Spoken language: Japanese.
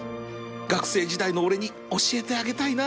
学生時代の俺に教えてあげたいな